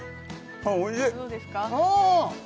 ああおいしい！